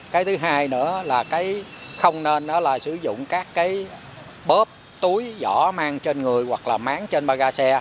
cái thứ hai nữa là không nên sử dụng các bóp túi giỏ mang trên người hoặc là máng trên ba ga xe